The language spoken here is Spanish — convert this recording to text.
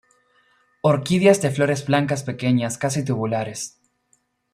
Orquídeas de flores blancas pequeñas casi tubulares.